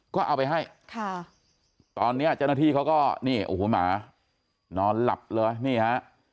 ก็เอาไปให้ค่ะตอนนี้เจ้าหน้าที่เขาก็นี่โอ้โหหมานอนหลับเลยนี่ฮะ